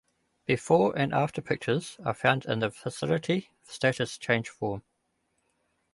Before and after pictures are found in the facility status change form.